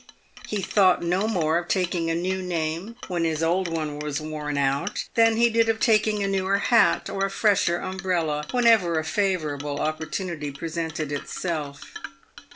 He thought no more of taking a new name when his old one was worn out than he did of taking a newer hat or a fresher umbrella whenever a favourable opportunity presented itself.